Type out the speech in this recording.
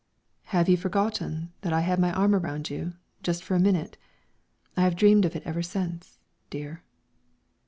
"Have you forgotten that I had my arm around you, just for a minute? I have dreamed of it ever since dear."